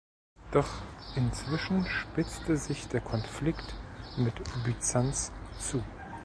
Doch inzwischen spitzte sich der Konflikt mit Byzanz zu.